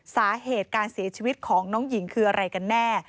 สาเหตุการเสียชีวิตของน้องหญิงคืออะไรกันแน่